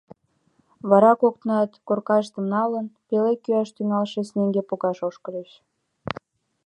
Вара коктынат, коркаштым налын, пеле кӱаш тӱҥалше снеге погаш ошкыльыч.